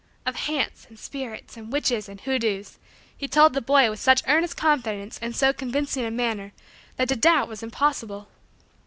Of "hants" and "spirits" and "witches" and "hoodoos" he told the boy with such earnest confidence and so convincing a manner that to doubt was impossible.